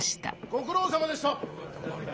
ご苦労さまでした。